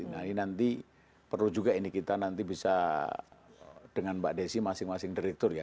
nah ini nanti perlu juga ini kita nanti bisa dengan mbak desi masing masing direktur ya